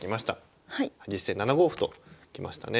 実戦７五歩ときましたね。